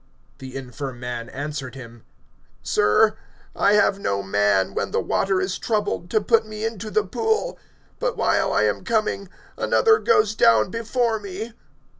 (7)The infirm man answered him: Sir, I have no man, when the water is troubled, to put me into the pool; but while I am coming, another goes down before me.